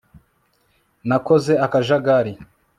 Nakoze akajagari